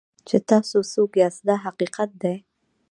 چې تاسو څوک یاست دا حقیقت دی.